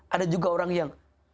ada juga orang yang